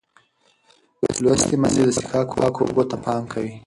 لوستې میندې د څښاک پاکو اوبو ته پام کوي.